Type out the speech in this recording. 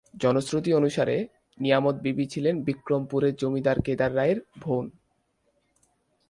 জনশ্রুতি অনুসারে নিয়ামত বিবি ছিলেন বিক্রমপুরের জমিদার কেদার রায়ের বোন।